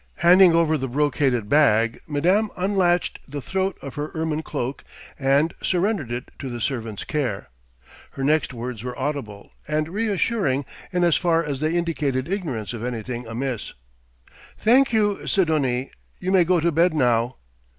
Handing over the brocaded bag, madame unlatched the throat of her ermine cloak and surrendered it to the servant's care. Her next words were audible, and reassuring in as far as they indicated ignorance of anything amiss. "Thank you, Sidonie. You may go to bed now."